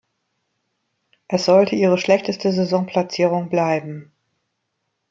Es sollte ihre schlechteste Saisonplatzierung bleiben.